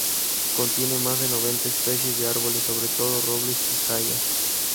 Contiene más de noventa especies de árboles, sobre todo robles y hayas.